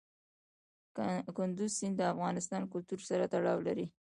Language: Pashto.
کندز سیند د افغان کلتور سره تړاو لري.